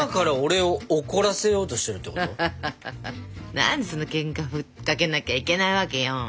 なんでそんなケンカふっかけなきゃいけないわけよ。